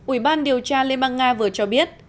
ủy ban điều tra liên bang nga vừa cho biết